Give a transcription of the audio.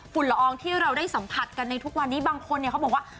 ละอองที่เราได้สัมผัสกันในทุกวันนี้บางคนเนี่ยเขาบอกว่า